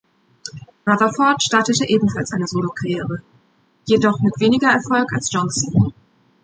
Rutherford startete ebenfalls eine Solokarriere, jedoch mit weniger Erfolg als Johnson.